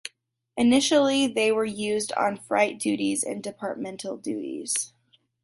Initially they were used on freight duties and departmental duties.